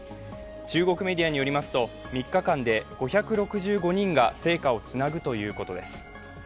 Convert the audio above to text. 中国メディアによりますと３日間で５６５人が聖火をつなぐということです。